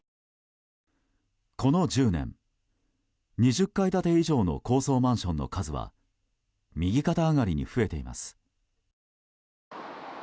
この１０年、２０階建て以上の高層マンションの数は右肩上がりに増えています。